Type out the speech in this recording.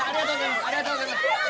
ありがとうございます。